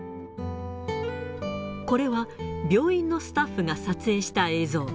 これは病院のスタッフが撮影した映像。